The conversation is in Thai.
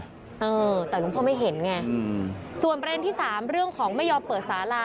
เออแต่หลวงพ่อไม่เห็นไงอืมส่วนประเด็นที่สามเรื่องของไม่ยอมเปิดสารา